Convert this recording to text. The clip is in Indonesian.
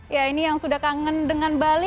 ya ini yang sudah kangen dengan bali